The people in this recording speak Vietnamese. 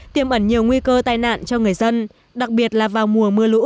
tiêm ẩn nhiều nguy cơ tai nạn cho người dân đặc biệt là vào mùa mưa lũ